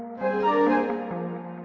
jangan berpikir pikir aja lo